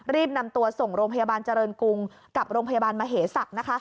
รีบนำตัวส่งโรงพยาบาลเจริญกรุงกับโรงพยาบาลมเหศักดิ์นะคะ